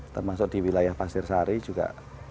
termasuk di wilayah pasir sari juga